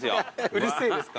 うるせえですか？